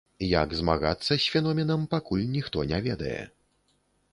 Як змагацца з феноменам, пакуль ніхто не ведае.